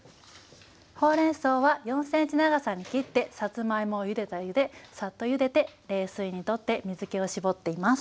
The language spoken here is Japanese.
ほうれんそうは４ｃｍ長さに切ってさつまいもをゆでた湯でさっとゆでて冷水にとって水けを絞っています。